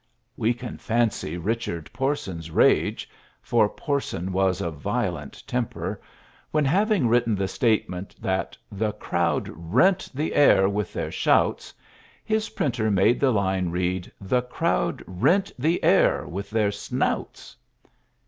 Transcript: We can fancy Richard Porson's rage (for Porson was of violent temper) when, having written the statement that "the crowd rent the air with their shouts," his printer made the line read "the crowd rent the air with their snouts."